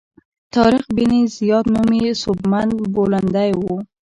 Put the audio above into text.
طارق بن زیاد نومي سوبمن بولندوی و.